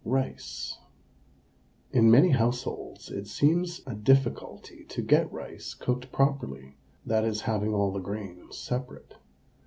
RICE In many households it seems a difficulty to get rice cooked properly, that is having all the grains separate.